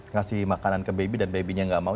ngasih makanan ke baby dan babynya gak mau